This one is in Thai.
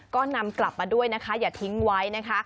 ก็นำกลับมาด้วยนะคะอย่าทิ้งไว้นะคะ